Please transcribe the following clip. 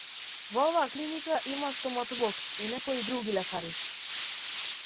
Во оваа клиника има стоматолог и некои други лекари.